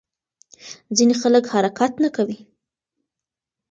ځینې خلک حرکت نه کوي.